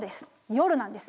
夜なんです。